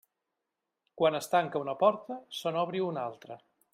Quan es tanca una porta, se n'obri una altra.